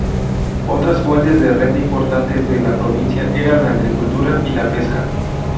Otras fuentes de renta importantes de la provincia eran la agricultura y la pesca.